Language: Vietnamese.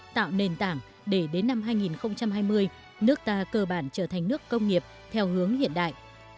tạo nền tảng để đến năm hai nghìn hai mươi nước ta cơ bản trở thành nước công nghiệp theo hướng hiện đại